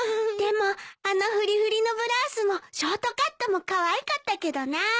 でもあのフリフリのブラウスもショートカットもかわいかったけどな。